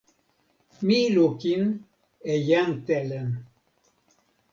mi lukin e jan Telen.